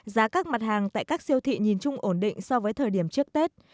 giá các mặt hàng tại các siêu thị nhìn chung ổn định so với thời điểm trước tết